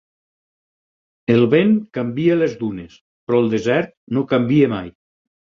El vent canvia les dunes, però el desert no canvia mai.